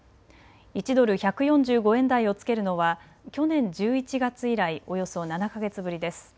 １ドル１４５円台をつけるのは去年１１月以来およそ７か月ぶりです。